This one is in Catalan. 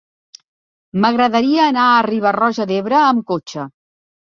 M'agradaria anar a Riba-roja d'Ebre amb cotxe.